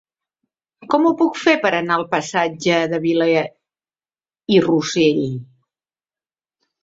Com ho puc fer per anar al passatge de Vila i Rosell?